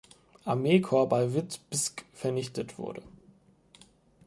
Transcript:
Armeekorps bei Witebsk vernichtet wurde.